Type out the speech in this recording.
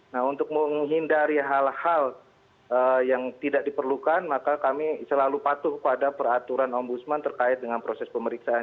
nah untuk menghindari hal hal yang tidak diperlukan maka kami selalu patuh pada peraturan ombudsman terkait dengan proses pemeriksaan